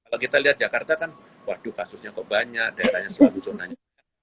kalau kita lihat jakarta kan waduh kasusnya kok banyak daerahnya seluruh zonanya